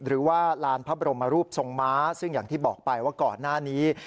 หรือว่าลานพระบรมรูปทรงม้าซึ่งอย่างที่บอกไปว่าก่อนหน้านี้